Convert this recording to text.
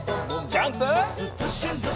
ジャンプ！